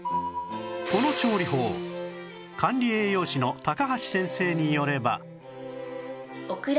この調理法管理栄養士の橋先生によれば